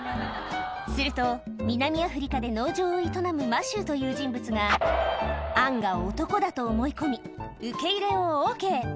すると、南アフリカで農場を営むマシューという人物が、アンが男だと思い込み、受け入れをＯＫ。